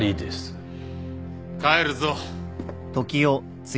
帰るぞ。